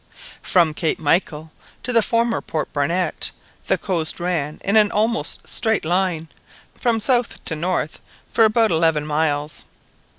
From Cape Michael to the former Port Barnett the coast ran in an almost straight line from south to north for about eleven miles.